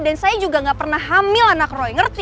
dan saya juga gak pernah hamil anak roy ngerti